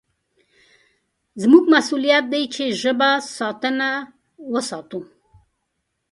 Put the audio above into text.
زموږ مسوولیت دی چې د ژبې ساتنه وساتو.